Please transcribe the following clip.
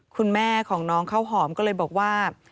คุณแม่ของน้องข้าวหอมก็เลยบอกว่า